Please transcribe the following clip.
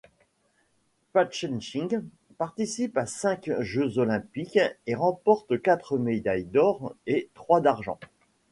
Patzaichin participe à cinq Jeux olympiques et remporte quatre médailles d'or et trois d'argent.